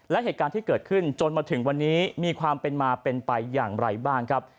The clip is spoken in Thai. และเหตุการณ์ที่เกิดขึ้นจนมาถึงวันนี้มีความเป็นมาเป็นไปอย่างไรบ้างครับ